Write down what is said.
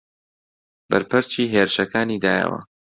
بەرپەرچی هێرشەکانی دایەوە